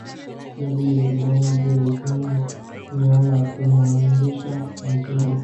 nabii Ibrahim juu ya Ismail ni Allah kumuamrisha amchinje